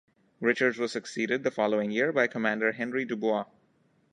Richards was succeeded the following year by Commander Henry Dubois.